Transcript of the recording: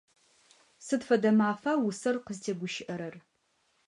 Сыд фэдэ мафа усэр къызтегущыӏэрэр?